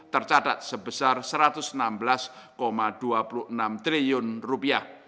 tercatat sebesar satu ratus enam belas dua puluh enam triliun rupiah